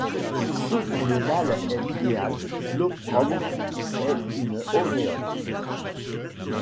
Pour ceux dont le mal est l’idéal, l’opprobre est une auréole.